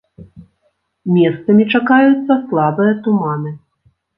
Месцамі чакаюцца слабыя туманы.